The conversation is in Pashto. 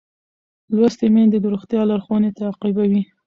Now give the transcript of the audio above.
لوستې میندې د روغتیا لارښوونې تعقیبوي.